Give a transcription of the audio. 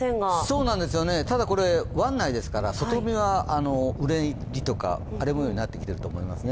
そうなんですよね、ただこれは湾内ですから外はうねりとか荒れもようになってきていると思いますね。